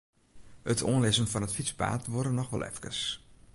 It oanlizzen fan it fytspaad duorre noch wol efkes.